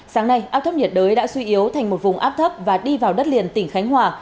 sáng nay áp thấp nhiệt đới đã suy yếu thành một vùng áp thấp và đi vào đất liền tỉnh khánh hòa